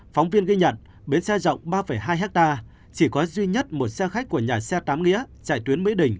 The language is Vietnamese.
phóng viên ghi nhận bến xe rộng ba hai ha chỉ có duy nhất một xe khách của nhà xe tám nghĩa chạy tuyến mỹ đình